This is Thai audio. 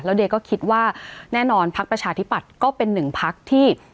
เดียก็คิดว่าแน่นอนพักประชาธิปัตย์ก็เป็นหนึ่งพักที่